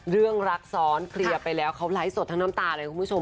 เรื่องรักซ้อนเคลียร์ไปแล้วเขาไลฟ์สดทั้งน้ำตาเลยคุณผู้ชม